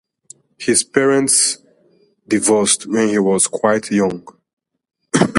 His parents divorced when he was quite young.